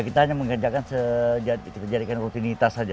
kita hanya mengerjakan menjadikan rutinitas saja